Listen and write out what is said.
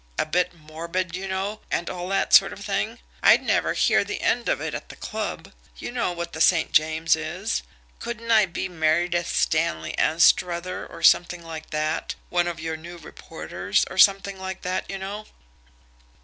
A bit morbid, you know, and all that sort of thing. I'd never hear the end of it at the club you know what the St. James is. Couldn't I be Merideth Stanley Annstruther, or something like that, one of your new reporters, or something like that, you know?"